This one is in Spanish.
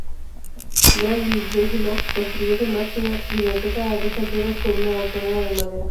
Gran bibliófilo, construyó además una biblioteca a dos alturas con una balconada de madera.